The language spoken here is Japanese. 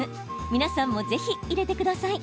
皆さんも、ぜひ入れてください。